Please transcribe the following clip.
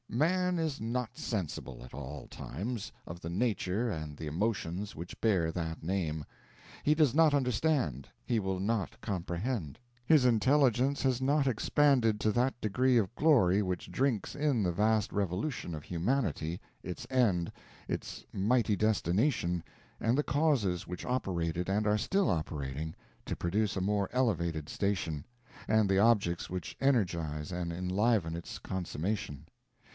Man is not sensible, at all times, of the nature and the emotions which bear that name; he does not understand, he will not comprehend; his intelligence has not expanded to that degree of glory which drinks in the vast revolution of humanity, its end, its mighty destination, and the causes which operated, and are still operating, to produce a more elevated station, and the objects which energize and enliven its consummation.